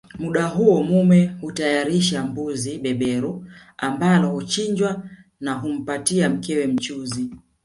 Muda huo mume hutayarisha mbuzi beberu ambalo huchinjwa na humpatia mkewe mchuzi